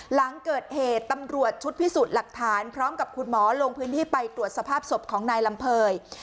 หลังเกิดเหตุตำรวจชุดพิสูจน์หลักฐานพร้อมกับคุณหมอลงพื้นที่ไปตรวจสภาพศพของนายลำเภย